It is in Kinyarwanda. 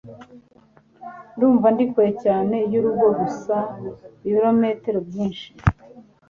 ndumva ndi kure cyane y'urugo, gusa ibirometero byinshi